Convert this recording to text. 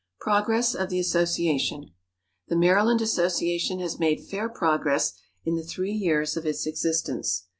Progress of the Association. The Maryland Association has made fair progress in the three years of its existence.